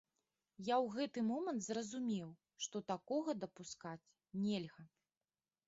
Я ў гэты момант зразумеў, што такога дапускаць нельга.